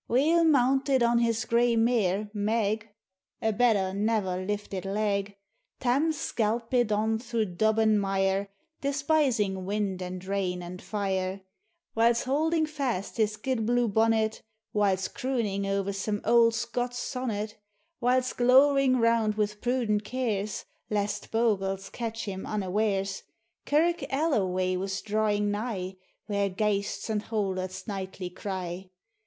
Weel mounted on his gray mare, Meg, (A better never lifted leg,) FAIRIES: ELVES: SPRITES. 73 Tarn skelpit on thro' dub and mire, Despising wind and rain and fire, — Whyles holding fast his guid blue bonnet, Whyles crooning o'er some aulcl Scots sonnet, Whyles glowering round wi' prudent cares, Lest bogles catch him unawares ; Kirk Alio way was drawing nigh, Whare ghaists and houlets nightly cry.